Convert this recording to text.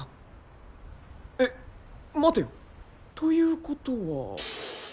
えっ待てよということは